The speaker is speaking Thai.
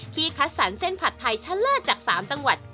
คัดสรรเส้นผัดไทยชะเลิศจาก๓จังหวัด